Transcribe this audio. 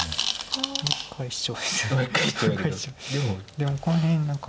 でもこの辺何か。